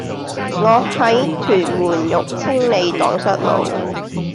我喺屯門育青里盪失路